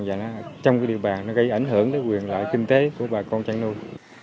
và trong địa bàn gây ảnh hưởng đến quyền loại kinh tế của bà con chăn nuôi